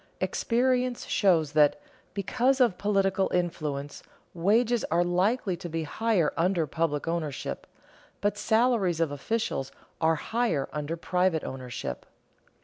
Experience shows that, because of political influence, wages are likely to be higher under public ownership, but salaries of officials are higher under private ownership.